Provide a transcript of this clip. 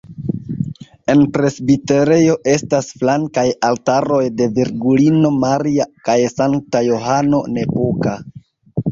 En presbiterejo estas flankaj altaroj de Virgulino Maria kaj Sankta Johano Nepomuka.